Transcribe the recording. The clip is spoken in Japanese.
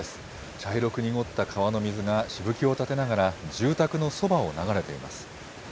茶色く濁った川の水がしぶきを立てながら、住宅のそばを流れています。